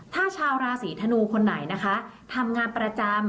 ถ้าชาวราศีธนูคนไหนนะคะทำงานประจำ